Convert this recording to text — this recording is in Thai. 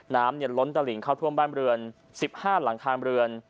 น้ำล้นตะหลิงเข้าทั่วบ้านเบือน๑๕หลังคางเบือน